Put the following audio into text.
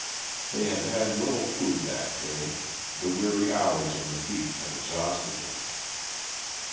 They had had little food that day; the weary hours on the beach had exhausted them.